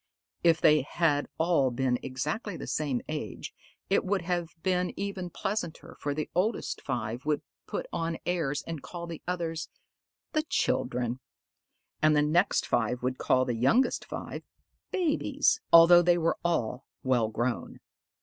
If they had all been exactly the same age, it would have been even pleasanter, for the oldest five would put on airs and call the others "the children"; and the next five would call the youngest five "babies"; although they were all well grown.